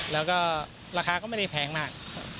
แล้วก็ราคาก็ไม่ได้แพงมาก